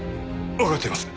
わかっています。